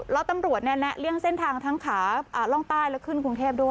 แล้วตำรวจแนะเลี่ยงเส้นทางทั้งขาล่องใต้และขึ้นกรุงเทพด้วย